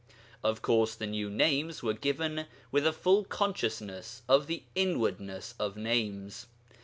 Of course, the new names were given with a full consciousness of the inwardness of names.